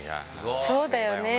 そうだよね。